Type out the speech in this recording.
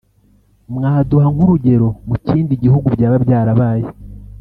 mwaduha nkurugero mukindi gihugu byaba byarabaye